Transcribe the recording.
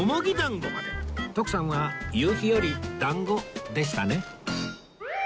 徳さんは夕日よりだんごでしたね